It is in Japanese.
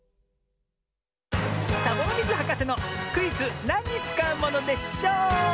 サボノミズはかせのクイズ「なんにつかうものでショー」！